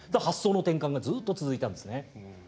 発想の転換がずっと続いたんですね。